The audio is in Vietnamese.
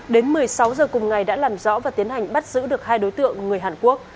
đến một mươi sáu h cùng ngày đã làm rõ và tiến hành bắt giữ được hai đối tượng người hàn quốc